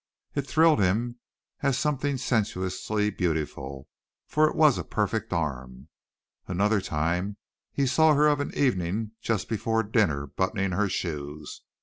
It thrilled him as something sensuously beautiful for it was a perfect arm. Another time he saw her of an evening just before dinner buttoning her shoes.